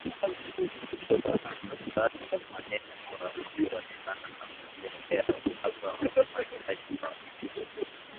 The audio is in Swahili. Kutokana na baadhi ya maeneo kuharibiwa sana na kupelekea uhaba wa mahitaji ya twiga